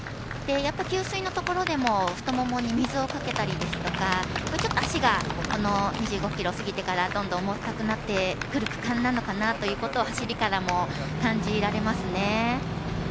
やっぱり給水のところでも太ももに水をかけたりですとかちょっと足が２５キロを過ぎてからどんどん重たくなってるという感じなのかなというのが走りからも感じられますね。